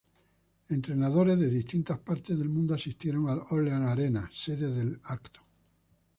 Entrenadores de distintas partes del mundo asistieron al Orleans Arena, sede del evento.